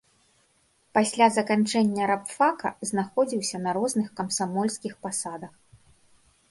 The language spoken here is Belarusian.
Пасля заканчэння рабфака знаходзіўся на розных камсамольскіх пасадах.